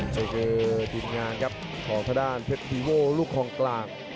จะคือทีมงานครับของทดานเพชรวีโวลูกของกลาง